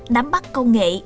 đám bắt công nghệ